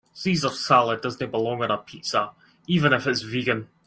Caesar salad does not belong on a pizza even it it is vegan.